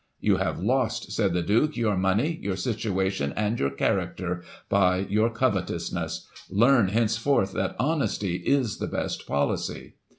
* You have lost,* said the Duke, 'your money, your situation, and your character, by your covetousness ; learn, henceforth, that honesty is the best policy.'